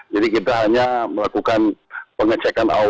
jadi kita hanya melakukan pengecekan awal